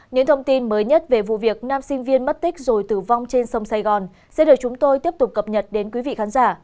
những thông tin mới nhất về vụ việc năm sinh viên mất tích rồi tử vong trên sông sài gòn sẽ được chúng tôi tiếp tục cập nhật đến quý vị khán giả